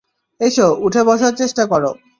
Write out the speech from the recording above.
এসো, উঠে বসার চেষ্টা কর।